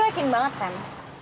gue yakin banget fem